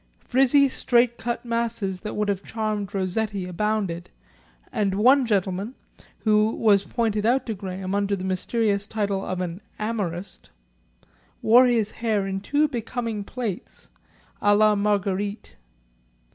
Frizzy straight cut masses that would have charmed Rossetti abounded, and one gentleman, who was pointed out to Graham under the mysterious title of an "amorist," wore his hair in two becoming plaits à la Marguerite.